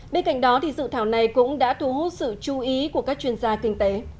bên cạnh đó dự thảo này cũng đã thu hút sự chú ý của các chuyên gia kinh tế